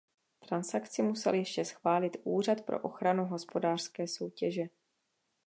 Transakci musel ještě schválit Úřad pro ochranu hospodářské soutěže.